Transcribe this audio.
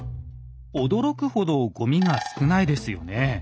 驚くほどごみが少ないですよね。